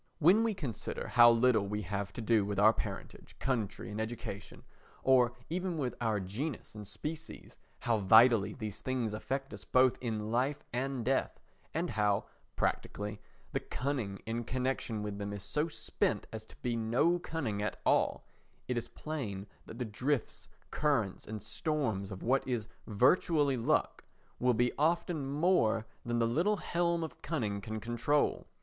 When we consider how little we have to do with our parentage, country and education, or even with our genus and species, how vitally these things affect us both in life and death, and how, practically, the cunning in connection with them is so spent as to be no cunning at all, it is plain that the drifts, currents, and storms of what is virtually luck will be often more than the little helm of cunning can control.